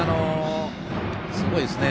すごいですね。